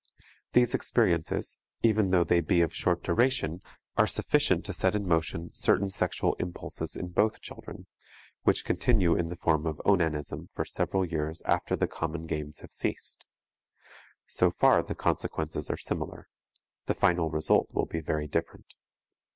These experiences, even though they be of short duration, are sufficient to set in motion certain sexual impulses in both children, which continue in the form of onanism for several years after the common games have ceased. So far the consequences are similar; the final result will be very different.